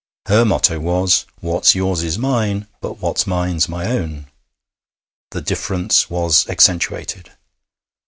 Her motto was, 'What's yours is mine, but what's mine's my own.' The difference was accentuated.